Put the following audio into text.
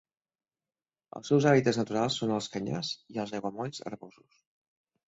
Els seus hàbitats naturals són els canyars i els aiguamolls herbosos.